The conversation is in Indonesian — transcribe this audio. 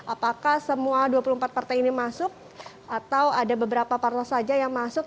apakah semua dua puluh empat partai ini masuk atau ada beberapa partai saja yang masuk